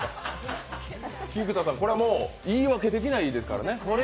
菊田さん、これはもう言い訳できないですからね。